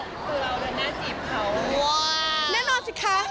คือเราร้อนไหนน่าจีบเขา